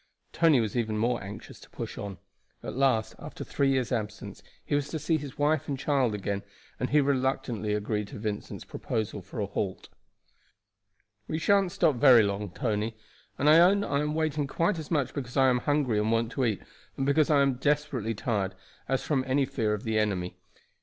Tony was even more anxious to push on. At last, after three years' absence, he was to see his wife and child again, and he reluctantly agreed to Vincent's proposal for a halt. "We sha'n't stop very long, Tony; and I own I am waiting quite as much because I am hungry and want to eat, and because I am desperately tired, as from any fear of the enemy.